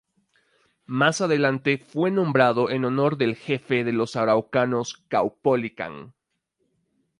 Más adelante fue nombrado en honor del jefe de los araucanos Caupolicán.